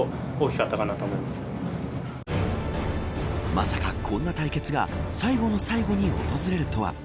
まさか、こんな対決が最後の最後に訪れるとは。